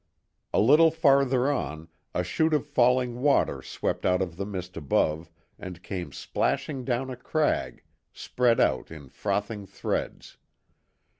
A little farther on, a shoot of falling water swept out of the mist above and came splashing down a crag, spread out in frothing threads.